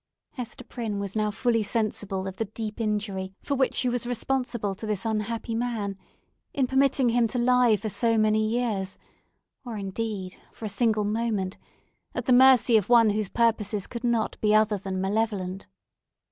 Hester Prynne was now fully sensible of the deep injury for which she was responsible to this unhappy man, in permitting him to lie for so many years, or, indeed, for a single moment, at the mercy of one whose purposes could not be other than malevolent.